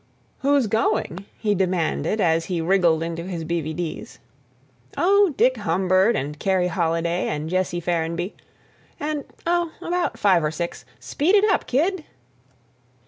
"Who's going?" he demanded as he wriggled into his B. V. D.'s. "Oh, Dick Humbird and Kerry Holiday and Jesse Ferrenby and—oh about five or six. Speed it up, kid!"